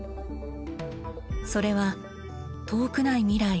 それは遠くない未来